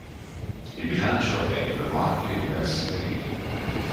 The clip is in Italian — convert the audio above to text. Il bilancio è di due morti e diversi feriti.